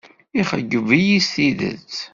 Ixeyyeb-iyi s tidet.